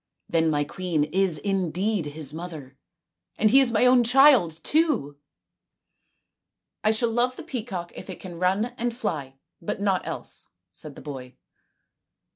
" Then my queen is indeed his mother, and he is my own child too !"" I shall love the peacock if it can run and fly, but not else," said the boy.